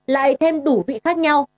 lại thêm đủ vị khác nhau